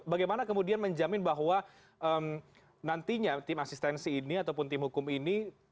bagaimana kemudian menjamin bahwa nantinya tim asistensi ini ataupun tim hukum ini